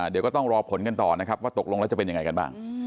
เดี๋ยวก็ต้องรอผลกันต่อนะครับว่าตกลงแล้วจะเป็นยังไงกันบ้าง